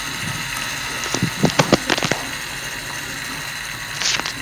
杰克森成为田纳西民兵上校。